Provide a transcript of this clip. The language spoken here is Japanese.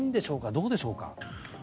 どうでしょうか。